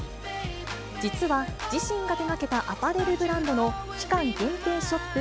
実は自身が手がけたアパレルブランドの期間限定ショップ